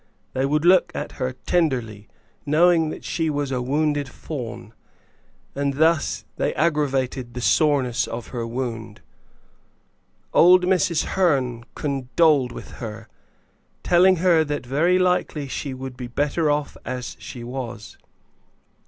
They would look at her tenderly, knowing that she was a wounded fawn, and thus they aggravated the soreness of her wound. Old Mrs. Hearn condoled with her, telling her that very likely she would be better off as she was.